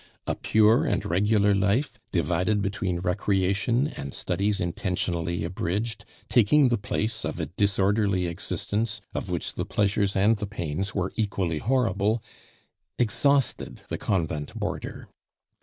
A pure and regular life, divided between recreation and studies intentionally abridged, taking the place of a disorderly existence of which the pleasures and the pains were equally horrible, exhausted the convent boarder.